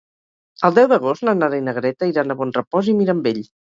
El deu d'agost na Nara i na Greta iran a Bonrepòs i Mirambell.